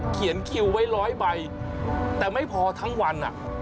เขียนคิวไว้ร้อยใบแต่ไม่พอทั้งวัน